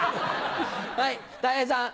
はいたい平さん。